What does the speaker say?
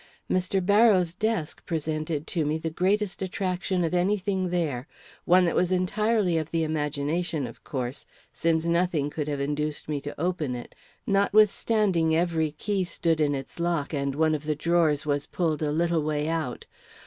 Mr. Barrows' desk presented to me the greatest attraction of any thing there; one that was entirely of the imagination, of course, since nothing could have induced me to open it, notwithstanding every key stood in its lock, and one of the drawers was pulled a little way out.